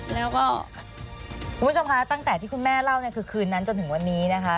แล้วก็คุณผู้ชมคะตั้งแต่ที่คุณแม่เล่าเนี่ยคือคืนนั้นจนถึงวันนี้นะคะ